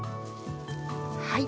はい。